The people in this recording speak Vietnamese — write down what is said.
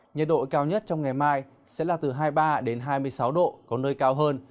nhiệt độ cao nhất trong ngày mai sẽ là từ hai mươi ba đến hai mươi sáu độ có nơi cao hơn